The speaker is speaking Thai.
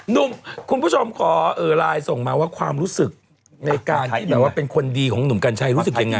หนุ่มคุณผู้ชมขอไลน์ส่งมาว่าความรู้สึกในการที่แบบว่าเป็นคนดีของหนุ่มกัญชัยรู้สึกยังไง